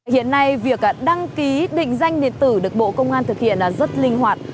hiện nay việc đăng ký định danh điện tử được bộ công an thực hiện rất linh hoạt